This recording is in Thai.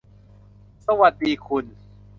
สวัสดีคุณ